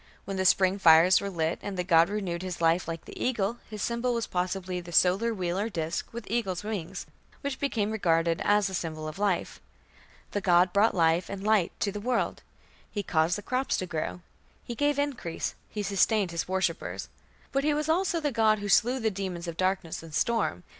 When the spring fires were lit, and the god "renewed his life like the eagle", his symbol was possibly the solar wheel or disk with eagle's wings, which became regarded as a symbol of life. The god brought life and light to the world; he caused the crops to grow; he gave increase; he sustained his worshippers. But he was also the god who slew the demons of darkness and storm.